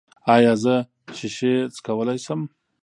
ایا زه شیشې څکولی شم؟